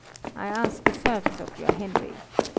I ask a service of your Henry.